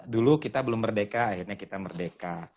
dulu kita belum merdeka akhirnya kita merdeka